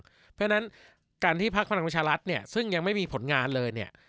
เพราะฉะนั้นการที่ภักดิ์ภัณฑ์วิชารัฐซึ่งยังไม่มีผลงานเลย